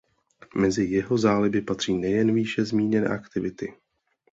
Mezi jeho záliby patří nejen výše zmíněné aktivity.